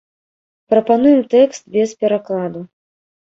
Прапануем тэкст без перакладу.